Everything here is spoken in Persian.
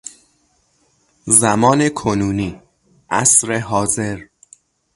زمان کنونی، عصر حاضر